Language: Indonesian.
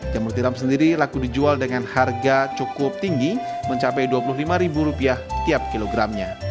jamur tiram sendiri laku dijual dengan harga cukup tinggi mencapai rp dua puluh lima tiap kilogramnya